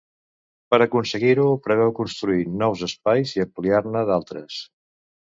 Per aconseguir-ho, preveu construir nous espais i ampliar-ne d'altres.